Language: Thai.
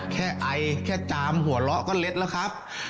แค่ไอแค่จามหัวเราะก็เล็ดแล้วครับ